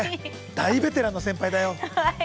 大ベテランの先輩だよ。